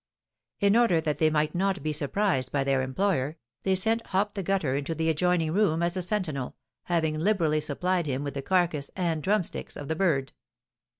In order that they might not be surprised by their employer, they sent Hop the Gutter into the adjoining room as a sentinel, having liberally supplied him with the carcass and drumsticks of the bird.